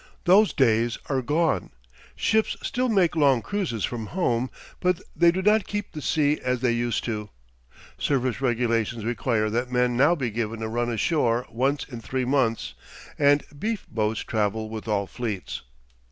Those days are gone. Ships still make long cruises from home, but they do not keep the sea as they used to. Service regulations require that men now be given a run ashore once in three months; and "beef boats" travel with all fleets.